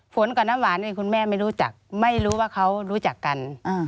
ฝนกับน้ำหวานเองคุณแม่ไม่รู้จักไม่รู้ว่าเขารู้จักกัน